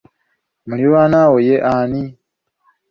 Muliraanwa wo ye ani?